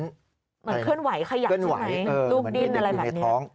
เหมือนเคลื่อนไหวขยับใช่ไหมลูกดิ้นอะไรแบบนี้